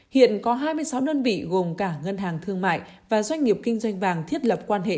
hiện có hai mươi sáu đơn vị gồm cả ngân hàng thương mại và doanh nghiệp kinh doanh vàng thiết lập quan hệ